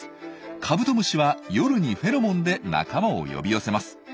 カブトムシは夜にフェロモンで仲間を呼び寄せます。